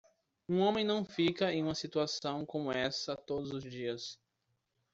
Um homem não fica em uma situação como essa todos os dias.